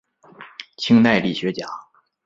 清代理学家。